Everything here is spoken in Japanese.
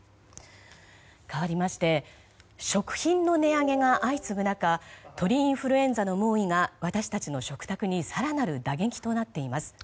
かわりまして食品の値上げが相次ぐ中鳥インフルエンザの猛威が私たちの食卓に更なる打撃となっています。